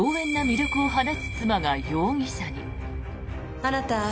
魅力を放つ妻が容疑者に。